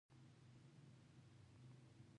راز محمد راز په پښین کې زېږېدلی دی